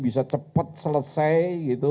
bisa cepat selesai